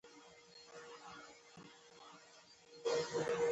د بل نقد هم چندان خوند نه ورکوي.